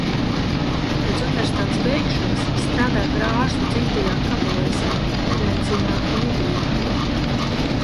Pēc universitātes beigšanas strādāja par ārstu dzimtajā Kavalēzē, Venēcijā un Idrijā.